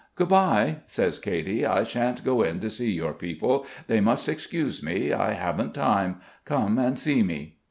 "Good bye," says Katy. "I shan't go in to see your people. They must excuse me. I haven't time. Come and see me."